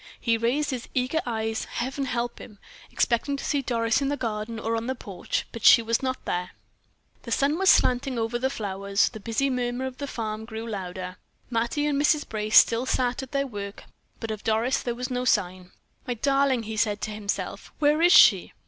He raised his eager eyes Heaven help him! expecting to see Doris in the garden or in the porch; but she was not there. The sun was slanting over the flowers, the busy murmur of the farm grew louder. Mattie and Mrs. Brace still sat at their work, but of Doris there was no sign. "My darling!" he said to himself, "where is she?"